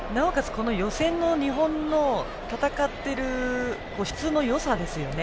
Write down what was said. この予選の日本の戦っている質のよさですよね。